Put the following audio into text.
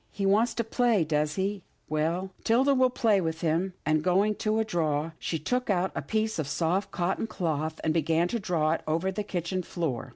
He wants to play, does he — well, 'Tilda will play with him," and, going to a drawer, she took out a piece of soft cotton cloth, and began to draw it over the kitchen floor.